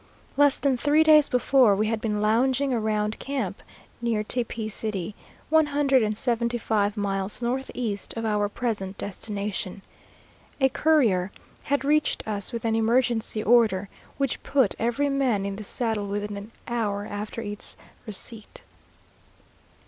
Less than three days before, we had been lounging around camp, near Tepee City, one hundred and seventy five miles northeast of our present destination. A courier had reached us with an emergency order, which put every man in the saddle within an hour after its receipt.